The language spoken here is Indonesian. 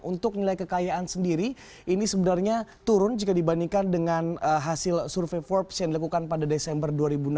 untuk nilai kekayaan sendiri ini sebenarnya turun jika dibandingkan dengan hasil survei forbes yang dilakukan pada desember dua ribu enam belas